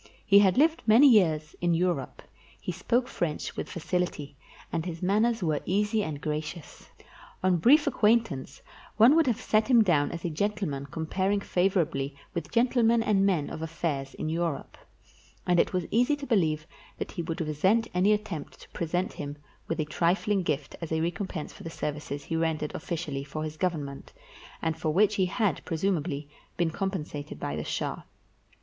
He had lived many years in Europe; he spoke French with facility, and his manners were easy and gracious. On brief acquaintance, one would have set him down as a gentleman comparing favorably with gentlemen and men of affairs in Europe ; and it was easy to believe that he would resent any attempt to present him with a trifling gift as a recompense for the services he rendered oflScially for his Government, and for which he had, presumably, been compensated by the shah.